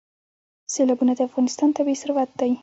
سیلابونه د افغانستان طبعي ثروت دی.